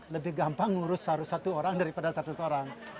lebih gampang ngurus satu orang daripada seratus orang